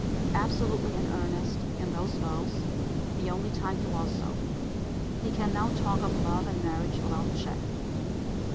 Absolutely in earnest in those vows. [The only time he was so.] He can now talk of love and marriage without check.